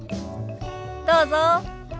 どうぞ。